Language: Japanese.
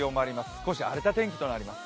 少し荒れた天気となります。